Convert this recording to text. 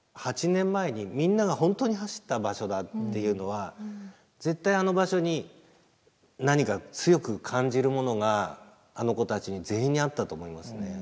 ８年前にみんなが本当に走った場所だっていうのは絶対あの場所に何か強く感じるものがあの子たちに全員にあったと思いますね。